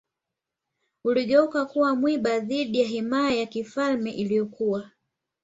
uligeuka kuwa mwiba dhidi ya himaya ya kifalme iliyokuwa